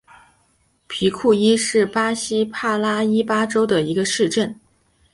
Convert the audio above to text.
皮库伊是巴西帕拉伊巴州的一个市镇。